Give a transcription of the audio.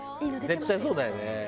絶対そうだよね。